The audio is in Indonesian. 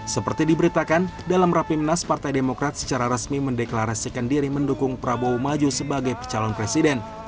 seperti diberitakan dalam rapimnas partai demokrat secara resmi mendeklarasikan diri mendukung prabowo maju sebagai pecalon presiden